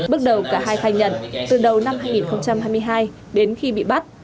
bước đầu cả hai khai nhận từ đầu năm hai nghìn hai mươi hai đến khi bị bắt